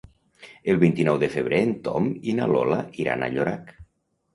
El vint-i-nou de febrer en Tom i na Lola iran a Llorac.